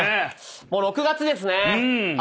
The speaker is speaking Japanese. もう６月ですね。